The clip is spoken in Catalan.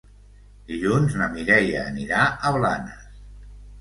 Dilluns na Mireia anirà a Blanes.